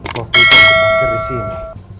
pokoknya aku panger disini